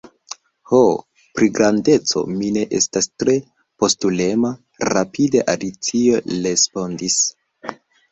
"Ho, pri grandeco, mi ne estas tre postulema," rapide Alicio respondis.